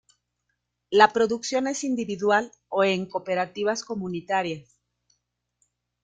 La producción es individual o en cooperativas comunitarias.